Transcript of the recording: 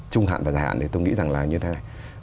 trung hạn và dài hạn thì tôi nghĩ rằng là như thế này